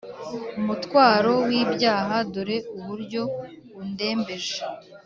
Umutwaro w'ibyaha, Dore uburyo undembeje!